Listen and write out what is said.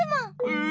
え！